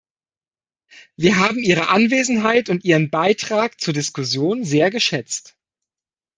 Wir haben Ihre Anwesenheit und Ihren Beitrag zur Diskussion sehr geschätzt.